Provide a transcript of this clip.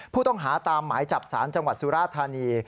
ผู้ต้องหาตามหมายจับสารจังหวัดสุราธานี